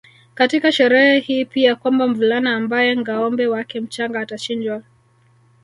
katika sherehe hii pia kwamba mvulana ambaye ngâombe wake mchanga atachinjwa